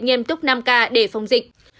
nghiêm túc năm k để phòng dịch